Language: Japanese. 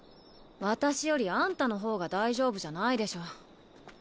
私よりあんたの方が大丈夫じゃないでしょ。